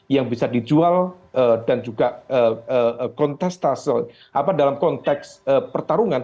yang bisa dijual dan juga dalam konteks pertarungan